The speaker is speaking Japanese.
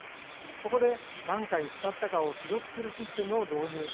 そこで、何回使ったかを記録するシステムを導入。